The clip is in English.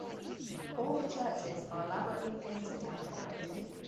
All the churches are elaborately painted and decorated.